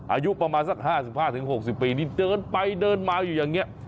อายุประมาณสัก๕๕๖๐ปีนี่เดินไปเดินมาอยู่อย่างนี้